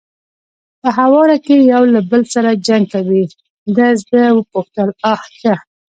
په هواره کې یو له بل سره جنګ کوي، ده زه وپوښتل: آ ښه.